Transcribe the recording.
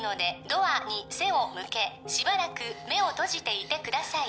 ドアに背を向けしばらく目を閉じていてください